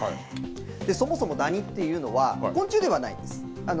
そもそも、だにというのは昆虫ではないです。